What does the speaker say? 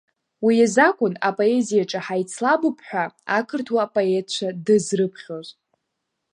Уи азакәын апоезиаҿы ҳаицлабып ҳәа ақырҭуа поетцәа дызрыԥхьоз.